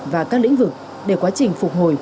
và các lĩnh vực để quá trình phục hồi